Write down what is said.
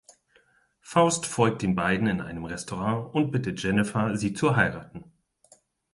Faust folgt den beiden in ein Restaurant und bittet Jennifer, sie zu heiraten.